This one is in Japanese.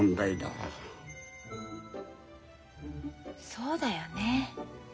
そうだよね。